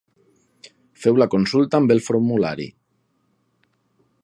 Feu la consulta amb el formulari.